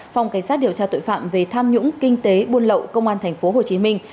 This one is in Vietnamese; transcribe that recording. phòng cảnh sát điều tra tội phạm về tham nhũng kinh tế buôn lậu công an thành phố hồ chí minh